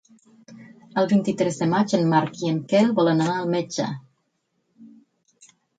El vint-i-tres de maig en Marc i en Quel volen anar al metge.